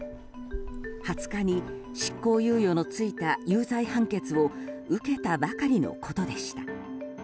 ２０日に執行猶予の付いた有罪判決を受けたばかりのことでした。